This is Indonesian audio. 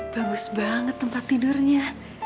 bagus banget tempat tidurnya